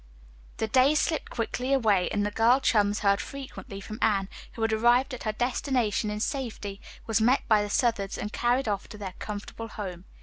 The days slipped quickly away, and the girl chums heard frequently from Anne, who had arrived at her destination in safety, was met by the Southards and carried off to their comfortable home.